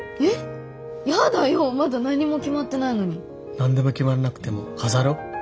何でも決まらなくても飾ろう。